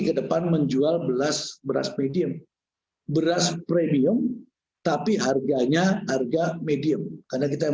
ke depan menjual beras medium beras premium tapi harganya harga medium karena kita yang